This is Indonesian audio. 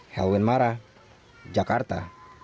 helwin mara jakarta